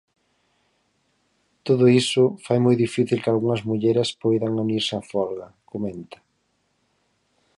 Todo iso fai moi difícil que algunhas mulleres poidan unirse á folga, comenta.